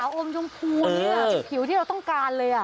ขาวอมชมพูนี่ผิวที่เราต้องการเลย